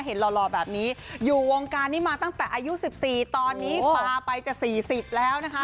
หล่อแบบนี้อยู่วงการนี้มาตั้งแต่อายุ๑๔ตอนนี้พาไปจะ๔๐แล้วนะคะ